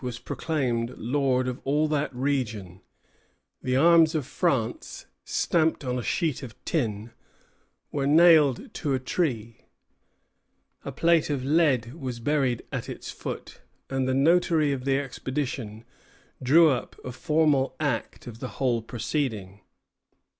was proclaimed lord of all that region, the arms of France, stamped on a sheet of tin, were nailed to a tree, a plate of lead was buried at its foot, and the notary of the expedition drew up a formal act of the whole proceeding.